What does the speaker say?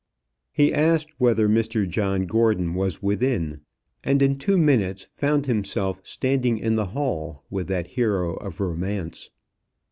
He asked whether Mr John Gordon was within, and in two minutes found himself standing in the hall with that hero of romance.